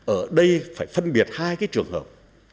ở đây phải phân biệt hai trường hợp